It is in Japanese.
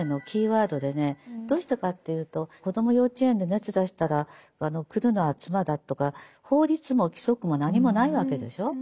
どうしてかっていうと子供幼稚園で熱出したら来るのは妻だとか法律も規則も何もないわけでしょう。